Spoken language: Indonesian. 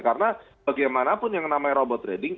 karena bagaimanapun yang namanya robot trading